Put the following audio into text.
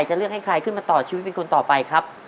จะเลือกให้ใครขึ้นมาต่อชีวิตเป็นคนต่อไปครับ